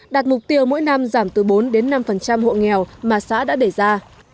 đạt mục tiêu mỗi năm giảm từ bốn đến năm hộ nghèo mà xã đã đề ra